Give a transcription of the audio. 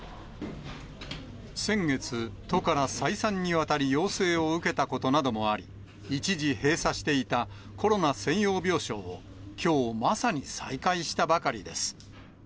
先月、都から再三にわたり要請を受けたことなどもあり、一時閉鎖していたコロナ専用病床をきょう、まさに再開したばかりです。